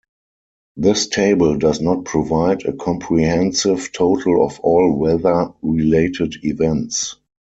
This table does not provide a comprehensive total of all weather-related events.